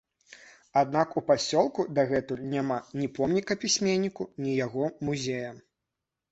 Аднак у пасёлку дагэтуль няма ні помніка пісьменніку, ні яго музея.